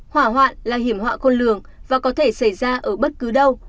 hỏa hoạn là hiểm họa khôn lường và có thể xảy ra ở bất cứ đâu